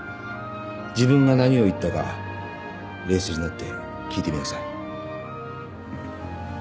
自分が何を言ったか冷静になって聞いてみなさい